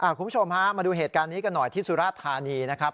คุณผู้ชมฮะมาดูเหตุการณ์นี้กันหน่อยที่สุราธานีนะครับ